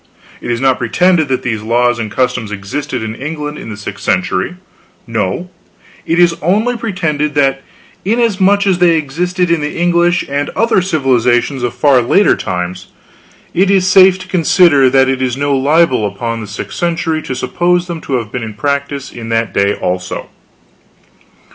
It is not pretended that these laws and customs existed in England in the sixth century; no, it is only pretended that inasmuch as they existed in the English and other civilizations of far later times, it is safe to consider that it is no libel upon the sixth century to suppose them to have been in practice in that day also.